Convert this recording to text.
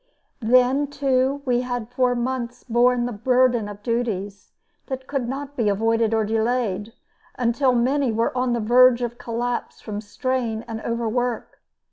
Then, too, we had for months borne the burden of duties that could not be avoided or delayed, until many were on the verge of collapse from strain and overwork.